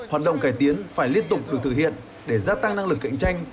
hoạt động cải tiến phải liên tục được thực hiện để gia tăng năng lực cạnh tranh